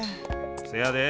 せやで！